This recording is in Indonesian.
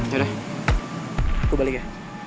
yaudah gue balik ya